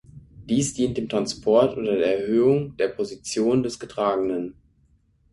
Dies dient dem Transport oder der Erhöhung der Position des Getragenen.